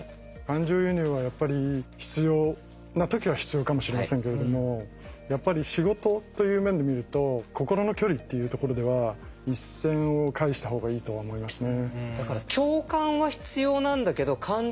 感情移入はやっぱり必要な時は必要かもしれませんけれどもやっぱり仕事という面で見ると心の距離っていうところでは一線をかいした方がいいとは思いますね。